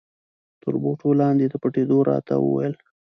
تر بوټو لاندې د پټېدو را ته و ویل.